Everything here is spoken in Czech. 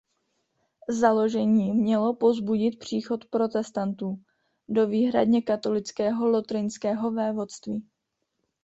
Založení mělo povzbudit příchod protestantů do výhradně katolického lotrinského vévodství.